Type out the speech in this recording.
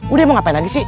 udah mau ngapain lagi sih